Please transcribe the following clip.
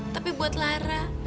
tapi buat lainnya